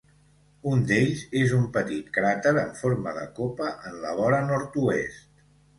Un d'ells és un petit cràter en forma de copa en la vora nord-oest.